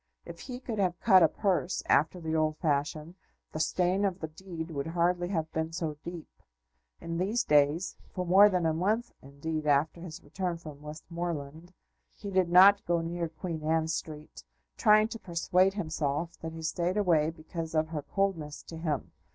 If he could have cut a purse, after the old fashion, the stain of the deed would hardly have been so deep. In these days, for more than a month, indeed, after his return from Westmoreland, he did not go near Queen Anne Street, trying to persuade himself that he stayed away because of her coldness to him.